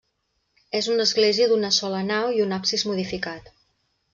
És una església d'una sola nau i un absis modificat.